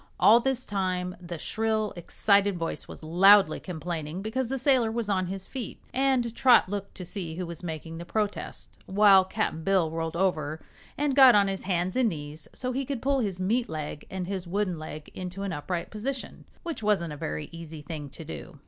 All this time the shrill, excited voice was loudly complaining because the sailor was on his feet, and Trot looked to see who was making the protest, while Cap'n Bill rolled over and got on his hands and knees so he could pull his meat leg and his wooden leg into an upright position, which wasn't a very easy thing to do.